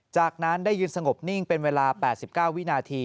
จากนั้นได้ยืนสงบนิ่งเป็นเวลา๘๙วินาที